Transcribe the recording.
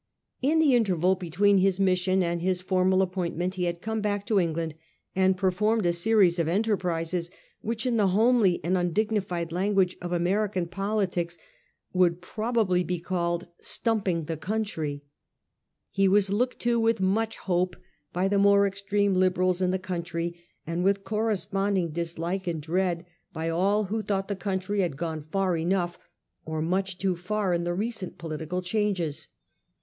In the interval between his mis sion and his formal appointment he had come back to England and performed a series of enterprises which in the homely and undignified language of American politics would probably be called ' stumping the country.' He was looked to with much hope by the more extreme Liberals in the country, and with cor responding dislike and dread by all who thought the von i. v 66 A HISTORY OF OUR OWN TIMES. cn. nr. country had gone far enough, or much too far, in the recent political changes.